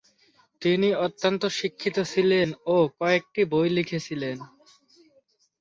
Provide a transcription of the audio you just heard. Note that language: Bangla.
তিনি অত্যন্ত শিক্ষিত ছিলেন ও কয়েকটি বই লিখেছিলেন।